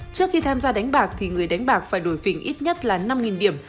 trước khi tham gia đánh bạc thì người đánh bạc phải đổi phình ít nhất là năm điểm